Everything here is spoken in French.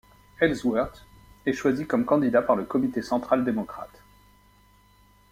Ellsworth est choisi comme candidat par le comité central démocrate.